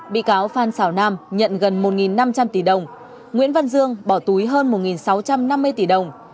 bị cáo phan xào nam nhận gần một năm trăm linh tỷ đồng nguyễn văn dương bỏ túi hơn một sáu trăm năm mươi tỷ đồng